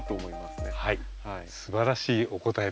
すばらしいお答えでした。